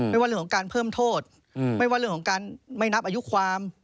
ไม่ว่าเรื่องของการเพิ่มโทษไม่ว่าเรื่องของการไม่นับอายุความ